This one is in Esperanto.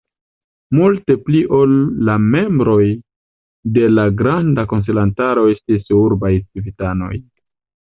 Multe pli ol la membroj de la granda konsilantaro estis urbaj civitanoj.